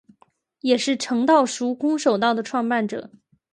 也是诚道塾空手道的创办者。